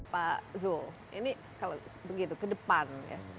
pak zul ini kalau begitu ke depan ya